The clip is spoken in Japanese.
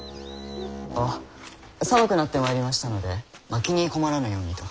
あっ寒くなってまいりましたのでまきに困らぬようにと。